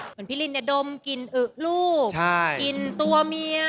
เหมือนพี่ลิ้นเนี่ยดมกินอึ่ะลูกกินตัวเมีย